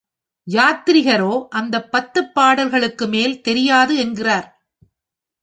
யாத்ரிகரோ அந்தப் பத்துப் பாடல்களுக்கு மேல் தெரியாது என்கிறார்.